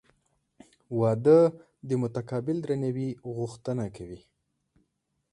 • واده د متقابل درناوي غوښتنه کوي.